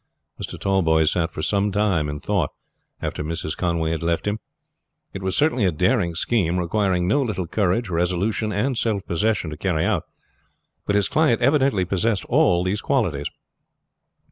Mr. Tallboys sat for some time in thought after Mrs. Conway had left him. It was certainly a daring scheme, requiring no little courage, resolution, and self possession to carry out, but his client evidently possessed all these qualities.